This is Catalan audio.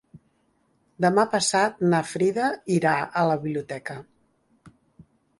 Demà passat na Frida irà a la biblioteca.